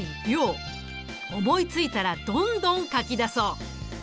思いついたらどんどん書き出そう。